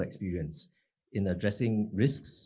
dalam mengembangkan risiko melalui